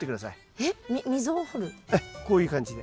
ええこういう感じで。